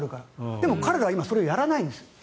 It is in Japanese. でも、彼らは今それをやらないんです。